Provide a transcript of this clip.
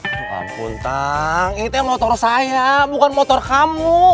tuhan pun tang itu motor saya bukan motor kamu